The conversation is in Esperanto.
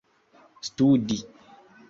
studi